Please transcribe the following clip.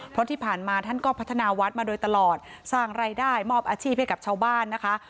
เพราะที่ผ่านมาท่านก็พัฒนาวัดมาโดยตลอดสร้างรายได้มอบอาชีพให้กับชาวบ้านนะคะ